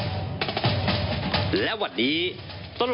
ก็ได้มีการอภิปรายในภาคของท่านประธานที่กรกครับ